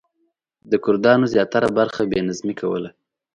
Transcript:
د کردانو زیاتره برخه بې نظمي کوله.